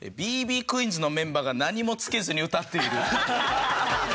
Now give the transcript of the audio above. Ｂ．Ｂ．クィーンズのメンバーがなにもつけずに歌っている。